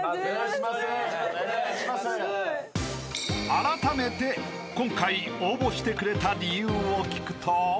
［あらためて今回応募してくれた理由を聞くと］